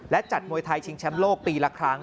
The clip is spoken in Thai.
และจัดมวยไทยชิงแชมป์โลกปีละครั้ง